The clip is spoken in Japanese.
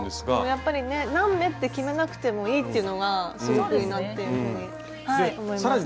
やっぱりね何目って決めなくてもいいっていうのがすごくいいなっていうふうに思いました。